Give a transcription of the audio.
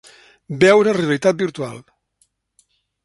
Veure realitat virtual.